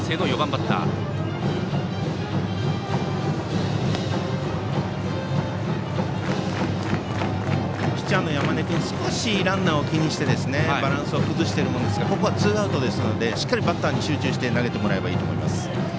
ピッチャーの山根君は少しランナーを気にしてバランスを崩していますがここはツーアウトですのでしっかりバッターに集中して投げてもらえばいいと思います。